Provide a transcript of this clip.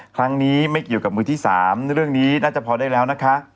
ครั้งนี้ไม่เกี่ยวกับมือที่๓เรื่องนี้น่าจะพอได้แล้วนะคะ